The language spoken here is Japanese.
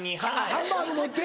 ハンバーグ持って？